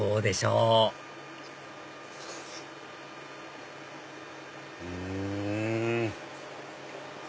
うん！